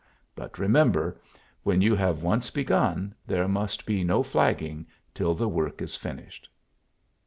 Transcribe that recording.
But, remember, when you have once begun there must be no flagging till the work is finished."